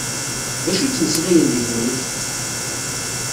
D acu i ttmeslayen di Temrikt?